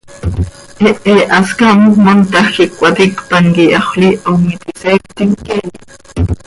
¿Hehe hascám montaj quih cöcaticpan quih Haxöl Iihom iti seectim queeya?